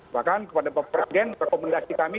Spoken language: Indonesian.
bahkan kepada pak presiden rekomendasi kami